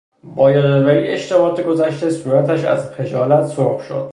با یادآوری اشتباهات گذشته، صورتش از خجالت سرخ شد.